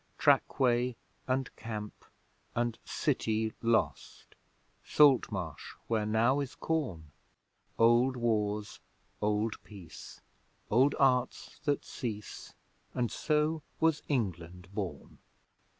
Trackway and Camp and City lost, Salt Marsh where now is corn; Old Wars, old Peace, old Arts that cease, And so was England born!